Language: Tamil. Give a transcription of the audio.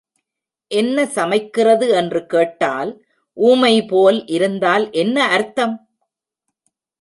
என்ன சமைக்கிறது என்று கேட்டால் ஊமை போல் இருந்தால் என்ன அர்த்தம்?